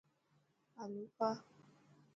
آلو کاهه.